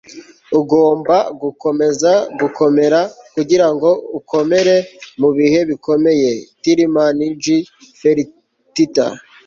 ugomba gukomeza gukomera kugirango ukomere mubihe bikomeye. - tilman j. fertitta